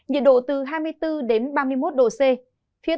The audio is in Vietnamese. nhiệt độ từ hai mươi bốn đến ba mươi một độ c